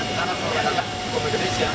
kita nanti tetap orang indonesia